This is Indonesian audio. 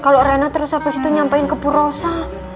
kalo reina terus abis itu nyampein ke bu rosa